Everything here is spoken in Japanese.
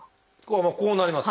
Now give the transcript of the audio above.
まあこうなります。